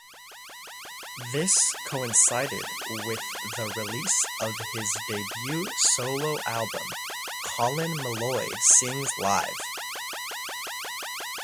This coincided with the release of his debut solo album, Colin Meloy Sings Live!